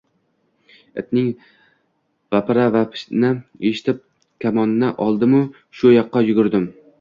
– Itning vapira-vapini eshitib, kamonni oldim-u, shu yoqqa yugurdim